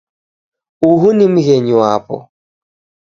Uhu ni mghenyi wapo